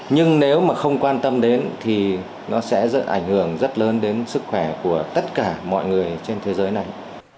nhưng nếu mà không quan tâm đến thì nó sẽ ảnh hưởng rất lớn đến sức khỏe của tất cả mọi người trên thế giới này